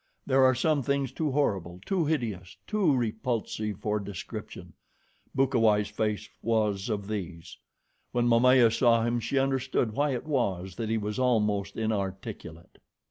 There are some things too horrible, too hideous, too repulsive for description Bukawai's face was of these. When Momaya saw him she understood why it was that he was almost inarticulate.